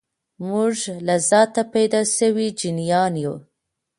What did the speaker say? موږ له ذاته پیدا سوي جنتیان یو